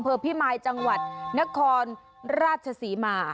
พี่มายจังหวัดนครราชศรีมา